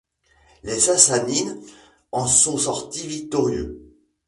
Les Sassanides en sont sortis victorieux.